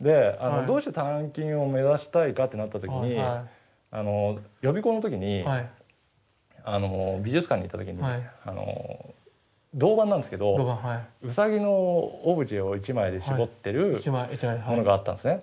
でどうして鍛金を目指したいかってなった時に予備校の時に美術館に行った時に銅板なんですけどウサギのオブジェを一枚で絞ってるものがあったんですね。